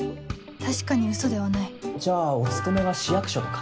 確かにウソではないじゃあお勤めは市役所とか？